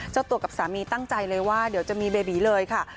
เจ้าตัวกับสามีตั้งใจเลยว่าเดี๋ยวจะมีเบบีเลยค่ะ